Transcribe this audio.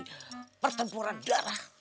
berarti pertempuran darah